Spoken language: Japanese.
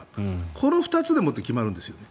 この２つでもって決まるんですよね。